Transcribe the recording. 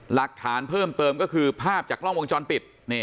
หลักฐานเพิ่มเติมก็คือภาพจากกล้องวงจรปิด